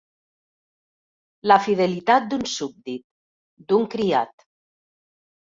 La fidelitat d'un súbdit, d'un criat.